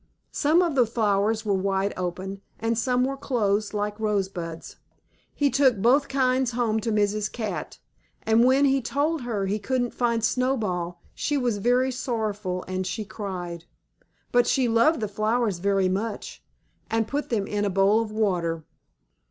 Some of the flowers were wide open, and some were closed, like rosebuds. He took both kinds home to Mrs. Cat, and when he told her he couldn't find Snowball she was very sorrowful and she cried. But she loved the flowers very much, and put them in a bowl of water.